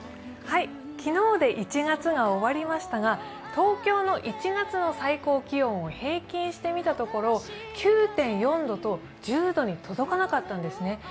昨日で１月が終わりましたが東京の１月の最高気温を平均してみたところ９．４度と、１０度に届かなかったんですね。